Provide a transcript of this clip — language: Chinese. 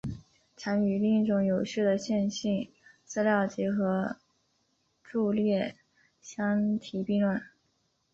常与另一种有序的线性资料集合伫列相提并论。